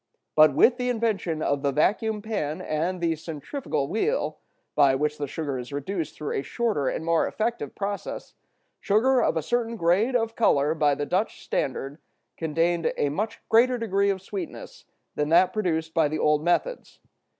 But with the invention of the vacuum pan and the centrifugal wheel, by which the sugar is reduced through a shorter and more effective process, sugar of a certain grade of color by the Dutch standard contained a much greater degree of sweetness than that produced by the old methods.